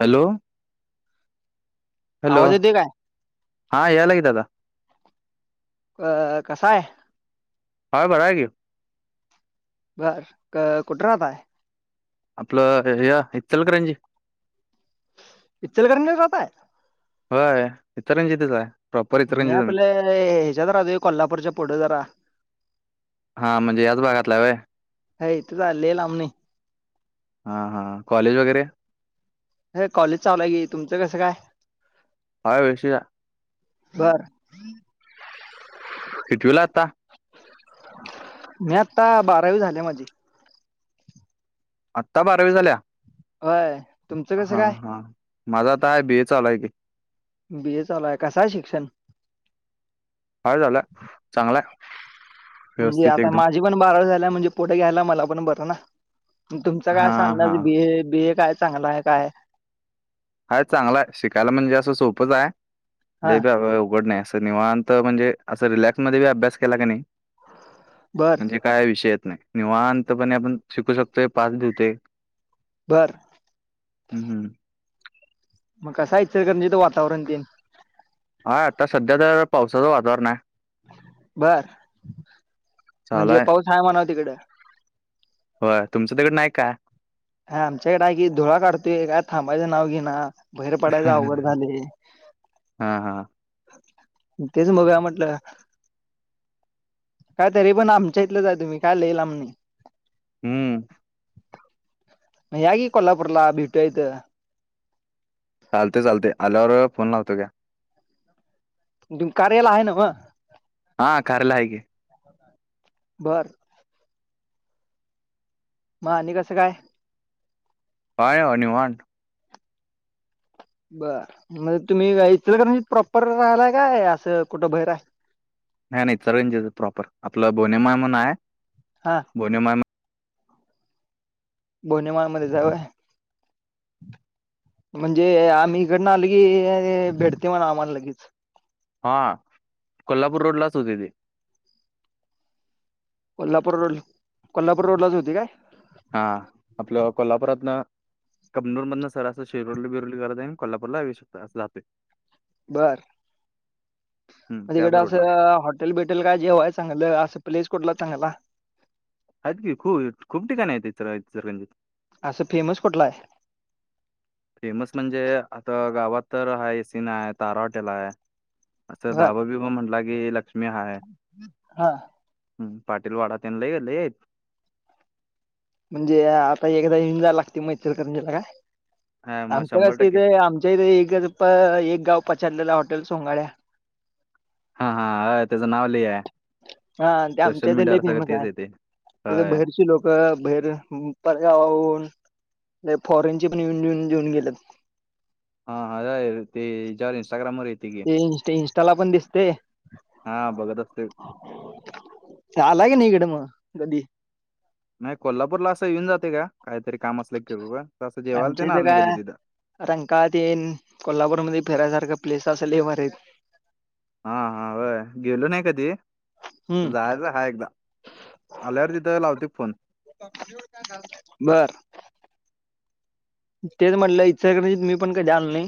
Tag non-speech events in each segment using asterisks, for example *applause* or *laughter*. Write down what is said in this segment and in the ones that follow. Hello hello आवाज येतोय काय? हां या लागी आता अ कसाय? हा बराय की. बर क कुठ राहातय. आपलं ह्य इचलकरंजी. इचलकरंजीत राहताय? होय इचलकरंजीतच हाय. मी आपल्या ह्याच्यात राहतोय कोल्हापूरच्या पुढ जरा. हा म्हणजे याच भागातल हाय होय. हे हितचय लई लाम नाही. हा हा कॉलेज वगैरे. हे कॉलेज चालुआय की तुमचं कसं काय? हाय व्यवशीत हाय. बर. कितवीलाय आता? मी आता बारावी झाल्या माझी. आत्ता बारावी झाल्या होय तुमचं कसं हा काय? हा माझा आता आहे बीए चालूय की. बी ए चालूय कसय शिक्षण? हाय झालं चांगलाय. म्हणजे आता माझी पण बारावी झाल्या म्हणजे पुढ घ्यायला मला पण बरं ना. तुमचा काय हा असा हा अंदाज बीए बीए काय चांगला हाय काय. हाय चांगलाय शिकायला म्हणजे असं सोपंच हाय हा लै बी अव अवघड नई असं निवांत अत म्हणजे अस रिलॅक्स मध्ये पण अभ्यास केला क नई बर म्हंजे काय विषय येत नाही निवांतपणे आपण शिकू शकतोय पा स भीतोय. बर. हम् हम्. कसाय इंचरकरंजीच वातावरण तेन. हाय आता सध्या तर पावसाचं वातावरण हाय. बर म्हणजे पाऊस आहे म्हणाव तिकडं. होय तुमचं तिकडं नाही काय? हाय आमच्याकड हाय की धुरळा काढतोय काय थांबायचं नाव घी ना. हा हा. तेच बघुया म्हटलं. काय तरी पण आमच्या इथलंच आहे तुम्ही काय लई लाम नाही. हम्म. मग या की कोल्हापूरला भेटूया हीत. चालते चालते आल्यावर फोन लावतो घ्या. तुम्ही कार्य ला हाय न्हव. हा कारला हायकी. बर. म आणि कसं काय? काय न म निवांत. बर म्हण तुम्ही इचलंकरंजीत प्रॉपर राहिलाय काय असं कुठं भयर हाय. नाही नाही इचलकरंजीत च हाय प्रॉपर आपलं बोनेमाळ म्हणू हाय. हा. बोन माळ बोनेमाळमध्येच हाय होय. म्हणजे आम्ही इकडन आल की भेटतय म्हणा आम्हाला लगेच. हा कोल्हापूर रोडलाच होते ते. कोल्हापूर रोडला कोल्हापूर रोडलाच होती काय. हा आपलं कोल्हापुरातन कबनूर मधन सर असं शिरोली बिरवली गरज आहे आणि कोल्हापूरला येउ शकतो अस जातो. बरं. हम्म, मग त्याच तिकडं असं रोडला आहे हॉटेल बिटेल काय जेव्हा आहे चांगलं असं प्लेस कुठला चांगला अज ककी खू खूप ठिकाणी येतयरगंजीत असं फेमस कुठला आहे? फेमस म्हणजे आता गावात तर हा एसीन आहे तारा हॉटेल आहे. असं बर दाबा बी म म्हंटला की लक्ष्मी हा आहे. हा हम पाटील वाडा त्यांन ल गेलेेत. म्हणजे आता एखादा हिं जा लागते मैत्रीकर म्हजेला का हा मग शंभर टक्के आमच्या एकच प एक गाव पचललेला हॉटेल सोंगाड्या हा हा त्याचं नाव लि आहे. हा ते सोशल आमच्या इथले मीडियावर सगळं फेमस तेच आहे येते तिथे बहेरचे लोक. ब भहेर पर गावा हून लई फॉरेन ची पण येन येऊन देेऊन जेऊन गेल्यात. हा अती ज इनस्टग्रामवररयतीी इंस्टाला पण दिसते. हा बघत असते. लय क नाही इकडे मग कधी नाही कोल्हापूर ला असं येऊन जाते काहीतरी काम अस क असं जेवायला ते ना आलं नाही काीदी तर रंकाातन कोल्हापूरमध्येध्ये फिरायसारखा प्लेस असेल मरत. हा हा व गेलो नाही कधी हम्म जायच हा एकदा आल्यावर तिथं लावते फोन. बर. तेच म्हटलं इच्छा करण्या मी पण काही जाल नाही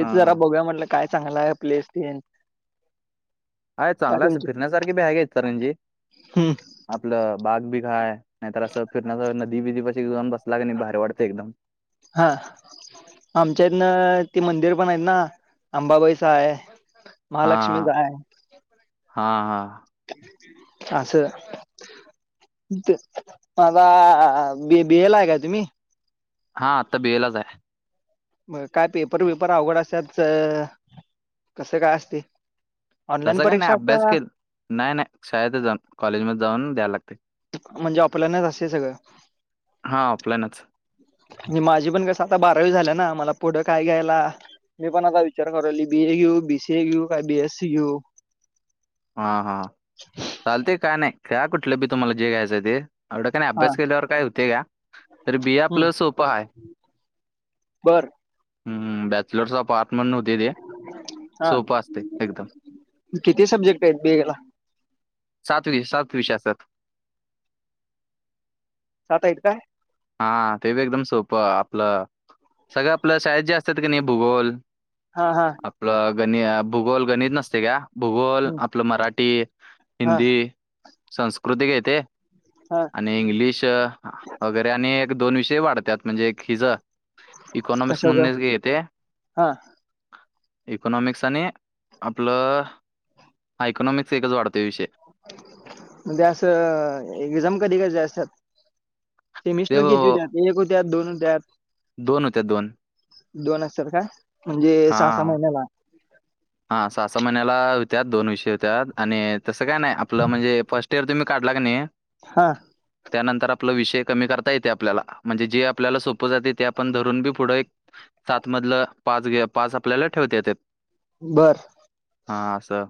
हा हा जरा बघू या म्हटलं. काय चांगला आहे प्लेस ट. आहे चांगलाच फिरण्यासारखी भ्याग आहेत तरणजी हम्म, आपलं बाग बी काय आहे नाहीतर असं फिरण्या नदी बिध प जाऊन बसला क नाही भारी वाटते एकदम हा. आमच्या इथनं ते मंदिर पण आहेत ना अंबाबाईचा आहे. महालक्ष्मी हा जाय हा हा असं. माझा ब बिएला आहे का तुम्ही? हा आता बिएलाच आहे. मग काय पेपर वबिपर अवघड असतात कसं काय असते. ऑनलाईन तसं काय नाही परीक्षा अभ्यास असका? केल नाही नाही शाळेतच जाऊन कॉलेजमध्येध्ये जाऊन द्यायला लागते. म्हणजे आपल्यानच असे सगळं. हा ऑफलाईनच म्हज माझी पण कसं आता बारावी झाल्या ना मला पुढं काय घ्यायला. मी पण आता विचार करवल बी ए घेऊ बीसीए घेऊ काय बीएसी घेऊ. हा हा चालतेय काय नाही काय कुठलं बी तुम्हाला जे घ्यायचं ते एवढं का नाही हा अभ्यास केल्यावर काय होतेय का तर बीए हम्म, आपलं सोपं आहे. बर. हम्म बॅचुलर्स अपार्टमेंट होते ते हा सोपं असते एकदम किती सब्जेक्ट आहेत बीएला सातवी सात विश असात. सात आहेत का? हा ते बी एकदम सोपं आपलं सगळं आपलं शाळेत जे असतात का नाही भूगोल हा हा. आपलं गण भूगोल गणित नसते का? भूगोल हम्म, आपलं मराठी हा हिंदी संस्कृतिक येते. हा. आणि इंग्लिश वगैरे आणि एक दोन विषय वाढतात म्हणजे एक हिज इकॉनाॉमिक्स कशाचं मुंदे येते हा इकोनॉमिक्स आणि आपलंा इकॉनॉमिक्स एकच वाढतोय विषय म्हणजे असं एक्झाम कधी कधी असतात ते सेमिस्टर केतती व- होत्या एक होत्या दोन होत्या दोन होत्या दोन दोन असतार का म्हणजे सहा सहा महिन्याला हा सहा सहा महिन्याला होत्या दोन विषय होत्या आणि तसं काय नाही आपलं म्हणजे फस्ट तेर तुम्ही काढला क नाही हा त्यानंतर आपला विषय कमी करता येते आपल्याला म्हणजे जे आपल्याला सोपं जाते ते आपण धरून बी पुढं एक सात मधलं पाच घ्या पाच आपल्याला ठेवता येते बरं हा असं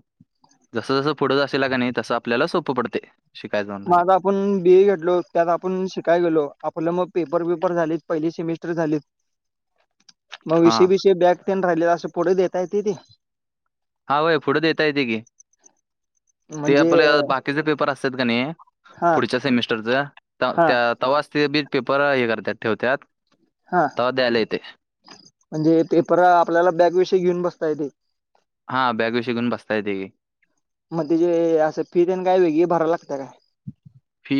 जस जसं पुढं जाशिल का नाही तसं आपल्याला सोपं पडते शिकायला जाऊन लागेल माझ. आपण बी ए घेतलो त्यात आपण शिकायला गेलो आपलं मग पेपर वेपर झालेत पहिली सेमिस्टर झालीत मग विष हां बष बॅक पेन राहिलेला असं पुढे देता य त ते हा होय पुढं देेत येत की ते म्हणजे आपलं बाकीचे पेपर असतात का नाही हा पुढच्या हा सेमिस्टरच तवास ते बी पेपर हे करत ठेवतात हा त द्यायला येते म्हणजे पेपर आपल्याला बॅग विषी घेऊन बसता येते बॅक विषय पण बसतायेते मग ते जे असं फी त्यांनी काय वेगळी भरायला लागतं काय फी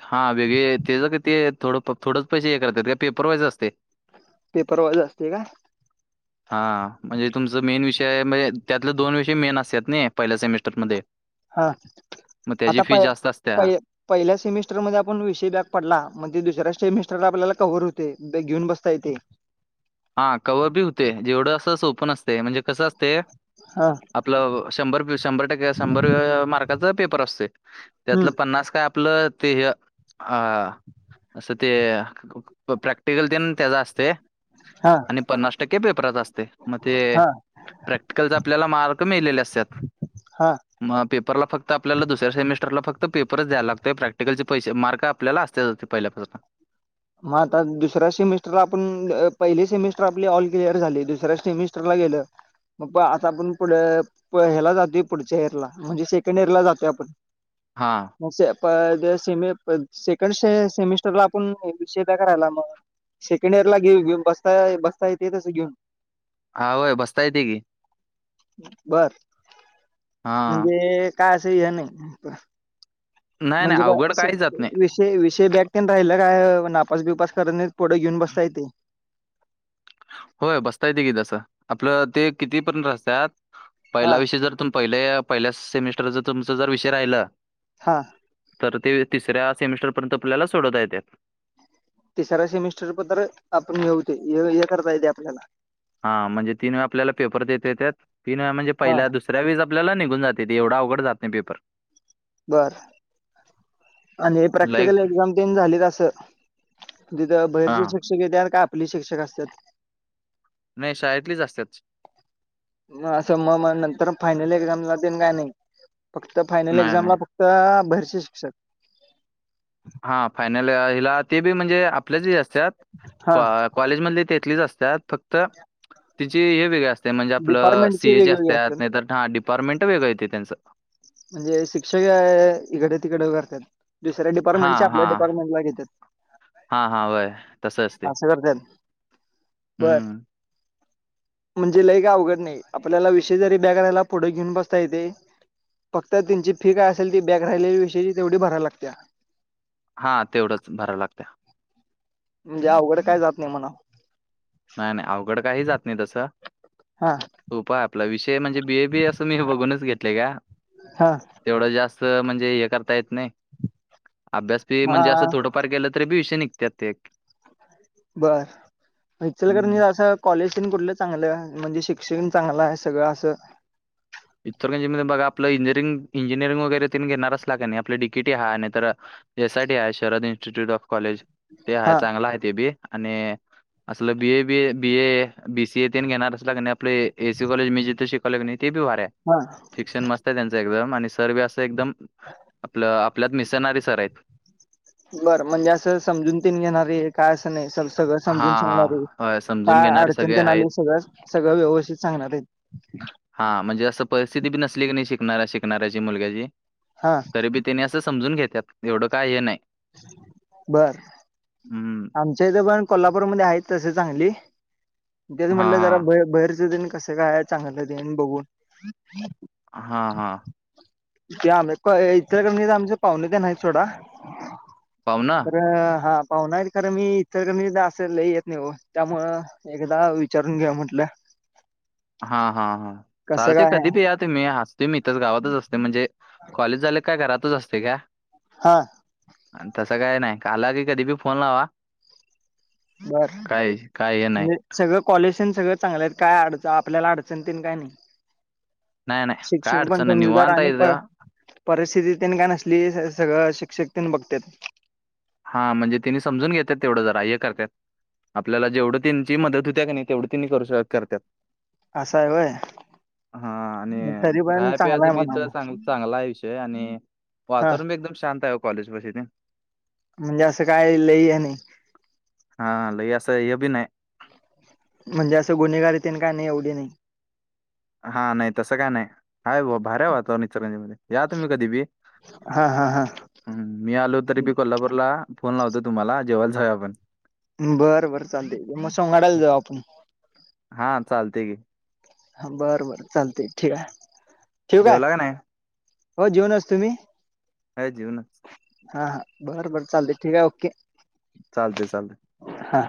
हा वेगळे तेच का ते थोडं थोडंच पैसे हे करतात का पेपरवाईज असते पेपरवाज असते का हा म्हणजे तुमच मेन विषय म्हणजे त्यातले दोन विषय मेन असतात नाही पहिल्या सेमिस्टरमध्येध्ये हा आता प असते प पहिल्या सेमिस्टर मध्ये आपण विषय बॅग पडला मग ते दुसऱ्या सेमिस्टरला आपल्याला कव्ह होते घेऊन बसता येते हा कवर बी होते जेवढं असं ओपन असते म्हणजे कसं असते हा आपलं शंभर शंभर टक्के शंभर मार्काचं पेपर असते हम्म त्यातलं पन्नास काय आपलं ते अ असं ते प्रॅक्टिकल ते त्याचा असते हा आणि पन्नास टक्के पेपरात असते मग ते हा प्रॅक्टिकल आपल्याला मार्क मिळालेले असतात हा म पेपरला फक्त आपल्याला दुसऱ्या सेमिटरला फत पेपरच द्यायला लागतय प्रॅक्टिकलचे पैसे मार्क आपल्याला असतेच पहिला प्रश्न मग आता दुसऱ्या सेमिस्टरला आपण पहिली सेमिस्टर आपली ऑल क्लिअर झाली दुसऱ्या सेमिस्टरला गेलं मग प आता आपण पुढं ह्याला जातोय पुढच्या एयर ला म्हणजे सेकंड इयर ला जातोय आपण हा स सेकंड सेमिस्टरला आपण विषयध करायला मग सेकंड इयर ला घेऊ घेऊन बसता बसता य ते तच घेऊन हाय बसतायेतेी बर हां म्हणजे काय असं हे नाही नाही नाही अवघड म्हणजे काही जात नाही वि विषय बॅग टन राहिला काय नापास बिपास करत नाही पुोढं घेऊन बसता येत ते होय बता येत की तस आपलं ते किती पर्यंत रस्तात हा पहिला विषयी जर तुम पहिल्या पहिल्या सेमिस्टर जर तुमचा जर विषय राहिला हा तर ते तिसऱ्या सेमिस्टरपर्यंत आपल्याला सोडवता येतात तिसरा सेमिस्टर पद् तर्र आपण घेवते हे करता येते आपल्याला हा म्हणजे तीन वेळा आपल्याला पेपर देतेेत त्या तीन व्या म्हणजे हा पहिला दुस त्यावीस आपल्याला निघून जाते ते, एवढ अवघड जात नाही पेपर. बर, आणि हे प्रॅक्टिकल लाईक एक्झाम तेन झाली असं. तिथं हा बाहेरचे शिक्षक येत्यात, का आपले शिक्षक असत्यात. नाही शाळेतली चं असत्यात. म -असं, मग- मग नंतर फायनल एक्झामला तेन काय नाही. फक्त फायनल नाही एक्झामला, नाही फक्त बाहिरची शिक्षक. हा फायनल हिला ते बी, म्हणजे आपल्याच हिची असतात. हा कॉलेजमधली तेथलीच असतात, फक्त तिची हे वेगळी‌ असतात. ते म्हणजे आपलं, सी डिपार्टमेंटचे ए ची वेगवेगळे असतात नाही तर डिपार्टमेंट वेगळं येतेय त्यांचं. म्हणजे शिक्षक इकडे तिकडे करत्यात. दुसऱ्या हा डिपार्टमेंटच्या आपल्या हा डिपार्टमेटला घेत्यात. हा.. हा.. वय तसं असतंय. असं करत्यात. बर. म्हणजे लय काय अवघड नाही. आपल्याला विषय जरी बॅक राहिला पुढं घेऊन बसता येते. फक्त त्यांची फी काय असेल ती, बॅक राहिलेल्या विषयी तेवढी भरायला लागत्या. हा तेवढंच भरावी लागत्या. म्हणजे अवघड काय जात नाही म्हणा, नाही नाही अवघड काही, जात नाही तसं. *inaudible* सोपा आपला विषय म्हणजे, बीएबीए असं मी बघूनच घेतले गां. हा तेवढं जास्त म्हणजे हे करता येत नाही. अभ्यास बी हा म्हणजे असं थोडं, पार गेलं तरी बी विषय निघत्यात, ते एक बरं, हं. इचलकरंजीत असं कॉलेज तेण कुठलं चांगलं, म्हणजे शिक्षण चांगलं आहे सगळं असं. इचलकंरजी तर बघ आपलं इंजिनिरिंग इंजिनिअरि वगैरे, तेन घेणार असला कणी आपल डीकीटी हाय नाही तर, एस आय टी आहे. शरद इन्स्टिट्यूट ऑफ कॉलेज ते आहे हा चांगला आहे ते बी आणि, असलं BA B A, B A, B C A ते घेणार असला कणी आपले एसी कॉलेज मी जिथे शिकालोय कणी ते बी भारी ये. हां. शिक्षण मस्त आहे त्यांचं एकदम, आणि सर बी असं एकदम आपलं आपल्यात मिसळणारी सर हायत. बरं म्हणजे, असं समजून तीन घेणारे काय असं नाही सगळं समजून हां, हां. सांगणार आहे. होय, समजून काय घेणारे अडचण सगळे तेन आहेत. आले, सगळ सगळं व्यवस्थित सांगणारे आहेत. हा म्हणजे असं परिस्थिती बी नसली कणी, शिकणाऱ्या शिकणाऱ्याची मुलग्याची. हां. तरीबी त्यांनी असं समजून घेत्यात, एवढं काय हे नाही. बर. हम्म. आमच्या इथं पण कोल्हापूरमधी आहेत तशी चांगली. तेचं हां, म्हटलं जरा हां. बाहेरच देण कसं काय, चांगलं तेण बघून. हा हा. आम- इचलकंरजी आमचं पाहुणे तेण आहेत सोडा. पावणं. तर हा पावण हायत. खर मी इचलकरंजीत असं लै येत नाही ओ, त्यामुळं एकदा विचारून घेवूया म्हंटलं. हा.. हा.. हा.. कसं चालतंय काय कधी आहे पण या. मी आसतोय. मी इथंच गावातच असतोय म्हणजे, कॉलेज झाले काय घरातच असतोय काय. हां. आणि तसं काय नाही. आला की कधी बी फोन लावा. काय काय हे नाही. बरं. सगळं कॉलेज तेण सगळं चांगलंय. काय अडचण आपल्याला अडचण तेण नाही. नाही, नाही. शिक्षक काय पण अडचण नाही. समजूदारार निवांत आहे आणिणी पण. इथं. परिस्थिती तने काय नसली सगळं शिक्षक तेन बघतत्यात हा म्हणजे तिने समजून घेत्यात तेवढं जरा हे करतात आपल्याला जेवढं त्यांची मदत होते्या का नाही तेवढं त्यांनी करू शक करतात असा आहे होय हा आणि तरी पण राय चांगला प्याज आहे बी तर म्हणावं चांग चांगला विषय आणि हा वाातवरण बी एकदम शांत आहे कॉलेज प म्हणजे असं काय ल आहे नाही हा लो असं हे बी नाही म्हणजे असं गुन्हेगार यतीले का नाही एवढी नाही हा नाही तसं काय नाही आहेा भऱ्या वातावरण इचरजी मध्ये या तुम्ही कधी बी हा हा हा हम् मी आलो तरी बी कोल्हापूरला फोन लावतो तुम्हाला जेवयलाच हऊ आपण बर बर चालते मग सगाडायला जाऊ आपण हा चालते गी ह बर बर चालते ठीक आहे ठेव काय जेवला का नाही हो जेऊनच तुम्ही ह जीव ना हा हा बर बर चालते ठीक आहे ओके चालतय चालत हा